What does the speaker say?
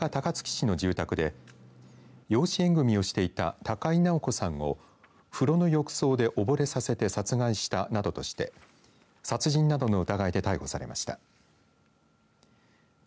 容疑者は去年７月、大阪高槻市の住宅で養子縁組みをしていた高井直子さんを風呂の浴槽でおぼれさせて殺害したなどとして殺人などの疑いで逮捕されました。